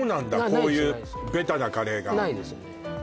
こういうベタなカレーがないですね